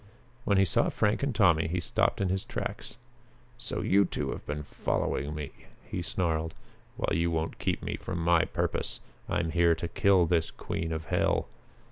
When he saw Frank and Tommy he stopped in his tracks. "So you two have been following me!" he snarled. "Well, you won't keep me from my purpose. I'm here to kill this queen of hell!"